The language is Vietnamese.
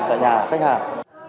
tại nhà khách hàng